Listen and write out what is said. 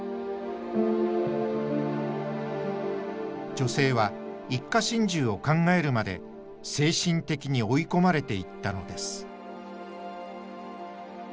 女性は一家心中を考えるまで精神的に追い込まれていったのです。